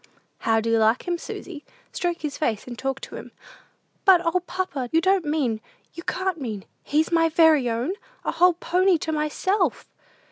"How do you like him, Susy? Stroke his face, and talk to him." "But, O, papa, you don't mean, you can't mean, he's my very own! A whole pony all to myself!"